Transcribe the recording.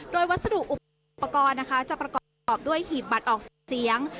โดยวัสดุอุปกรณ์นะคะจะประกอบด้วยหีบบัตรออกเสียง